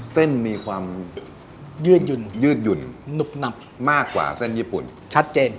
เส้นมีความยืดยืดหยุ่นหนุบหนับมากกว่าเส้นญี่ปุ่นชัดเจน